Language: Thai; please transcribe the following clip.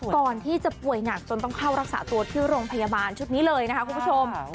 ก่อนที่จะป่วยหนักจนต้องเข้ารักษาตัวที่โรงพยาบาลชุดนี้เลยนะคะคุณผู้ชม